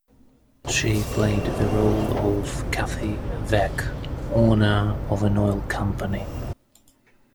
She played the role of Kathy Veck, owner of an oil company.